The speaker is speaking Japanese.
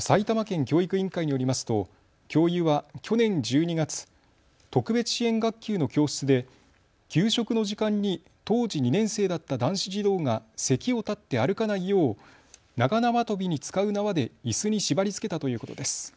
埼玉県教育委員会によりますと教諭は去年１２月、特別支援学級の教室で給食の時間に当時２年生だった男子児童が席を立って歩かないよう長縄跳びに使う縄でいすに縛りつけたということです。